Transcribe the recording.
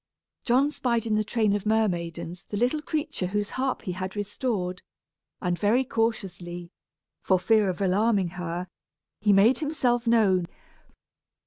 John spied in the train of mermaidens the little creature whose harp he had restored, and very cautiously, for fear of alarming her, he made himself known.